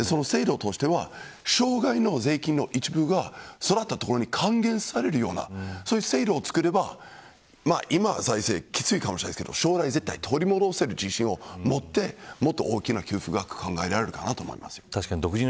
制度としては生涯の税金の一部が育ったところに還元されるようなそういう制度をつくれば今は財政はきついかもしれませんが、将来は取り戻す自信を持って大きな給付額を考えられるかと思います。